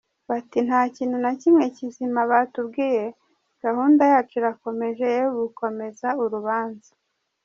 Bati “Nta kintu na kimwe kizima batubwiye gahunda yacu irakomeje yo gukomeza urubanza”.